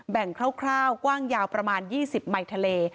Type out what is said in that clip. นคร่าวกว้างยาวประมาณ๒๐ไมค์ทะเล